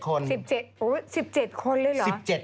๑๗คน๑๗คนเลยเหรอ